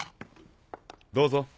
どうぞ。